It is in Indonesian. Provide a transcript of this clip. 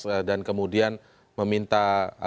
ketika tiga ep apa namanya kugatan dari kontras ya